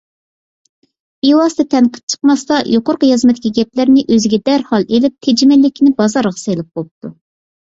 بىۋاسىتە تەنقىد چىقماستا يۇقىرىقى يازمىدىكى گەپلەرنى ئۆزىگە دەرھال ئېلىپ تېجىمەللىكىنى بازارغا سېلىپ بوپتۇ.